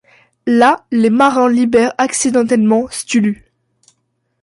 Là, les marins libèrent accidentellement Cthulhu.